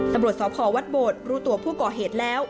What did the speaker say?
ตำรวจสพวัดโบดรู้ตัวผู้ก่อเหตุแล้ว